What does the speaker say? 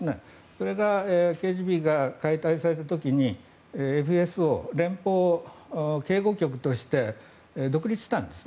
それがＫＧＢが解体された時にＦＳＯ・連邦警護局として独立したんです。